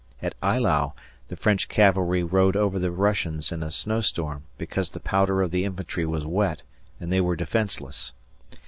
At Eylau the French cavalry rode over the Russians in a snowstorm because the powder of the infantry was wet and they were defenseless.